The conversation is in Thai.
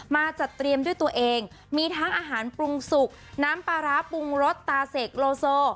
จัดเตรียมด้วยตัวเองมีทั้งอาหารปรุงสุกน้ำปลาร้าปรุงรสตาเสกโลโซ